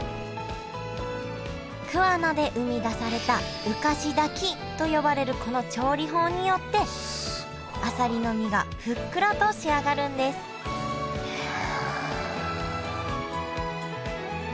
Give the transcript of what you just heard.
桑名で生み出された浮かし炊きと呼ばれるこの調理法によってあさりの身がふっくらと仕上がるんですへえ。